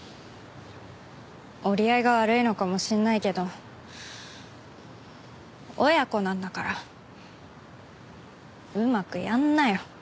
折り合いが悪いのかもしれないけど親子なんだからうまくやんなよ。